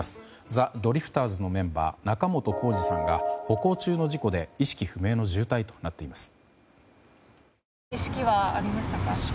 ザ・ドリフターズのメンバー仲本工事さんが歩行中の事故で意識不明の重体となっています。